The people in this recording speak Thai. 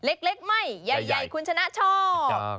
เล็กไม่ใหญ่คุณชนะชอบ